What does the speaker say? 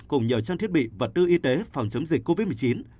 cùng nhiều trang thiết bị vật tư y tế phòng chống dịch covid một mươi chín